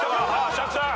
釈さん。